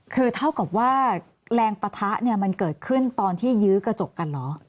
คือเท่ากับว่าแรงปะทะเนี่ยมันเกิดขึ้นตอนที่ยื้อกระจกกันเหรอ